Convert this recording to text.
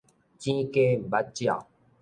茈雞毋捌鳥